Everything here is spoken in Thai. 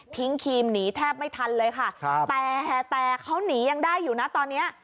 ครีมหนีแทบไม่ทันเลยค่ะครับแต่แต่เขาหนียังได้อยู่นะตอนเนี้ย